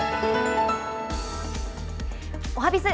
おはＢｉｚ。